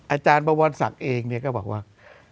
อาจารย์บวรศักดิ์เองก็บอกว่า